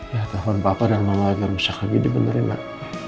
ya telpon papa dan mama agar bisa kebidi benerin mak